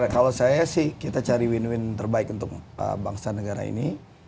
kalau saya sih kita cari win win terbaik untuk bangsa negara ini